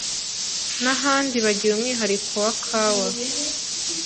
n’ahandi bagira umwihariko wa kawa